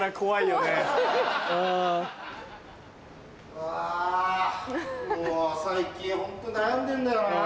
うわもう最近ホント悩んでんだよなぁ。